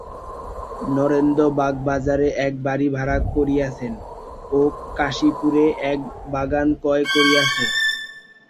নরেন্দ্র বাগবাজারে এক বাড়ি ভাড়া করিয়াছেন ও কাশীপুরে এক বাগান ক্রয় করিয়াছেন।